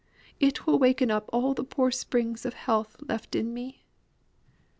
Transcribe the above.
It will waken up all the poor springs of health left in me."